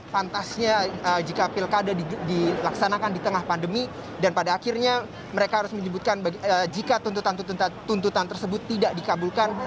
pantasnya jika pilkada dilaksanakan di tengah pandemi dan pada akhirnya mereka harus menyebutkan jika tuntutan tuntutan tersebut tidak dikabulkan